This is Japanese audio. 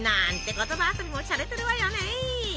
言葉遊びもしゃれてるわよね。